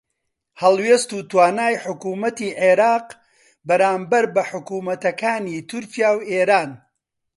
هەڵوێست و توانای حکوومەتی عێراق بەرامبەر بە حکوومەتەکانی تورکیا و ئێران